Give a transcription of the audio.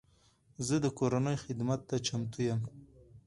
زه د کورنۍ خدمت ته چمتو یم.